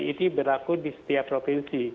ini berlaku di setiap provinsi